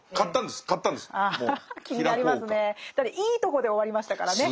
だっていいとこで終わりましたからね